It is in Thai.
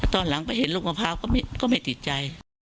ตอนหลังไปเห็นลูกมะพร้าวก็ไม่ติดใจ